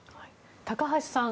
高橋さん